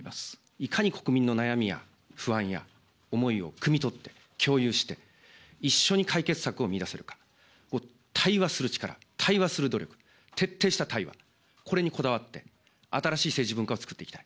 いかに国民の悩みや不安や思いをくみ取って、共有して、一緒に解決策を見いだせるか、対話する力、対話する努力、徹底した対話、これにこだわって、新しい政治文化を作っていきたい。